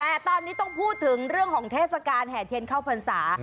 แต่ตอนนี้ต้องพูดถึงเรื่องของเทศกาลแห่เทียนเข้าพรรษา